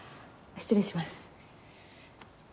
失礼します。